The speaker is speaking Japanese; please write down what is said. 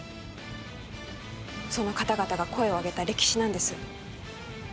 その方々が声を上げた歴史なんです。